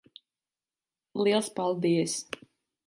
Liels paldies.